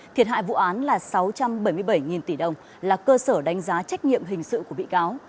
thiệt hại vụ án là sáu trăm bảy mươi bảy tỷ đồng là cơ sở đánh giá trách nhiệm hình sự của bị cáo